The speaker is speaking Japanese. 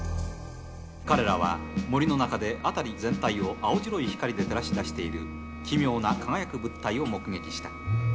彼らは森の中で、辺り全体を青白い光で照らし出している奇妙な輝く物体を目撃した。